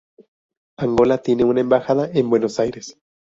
Angola tiene una embajada en Buenos Aires.